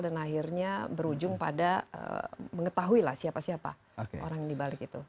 dan akhirnya berujung pada mengetahui lah siapa siapa orang yang dibalik itu